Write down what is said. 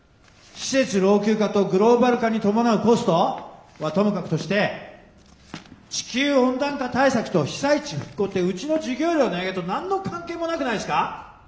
施設老朽化とグローバル化に伴うコスト？はともかくとして地球温暖化対策と被災地復興ってうちの授業料値上げと何の関係もなくないすか？